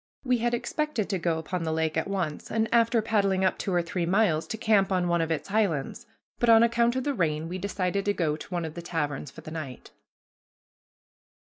We had expected to go upon the lake at once, and, after paddling up two or three miles, to camp on one of its islands, but on account of the rain we decided to go to one of the taverns for the night.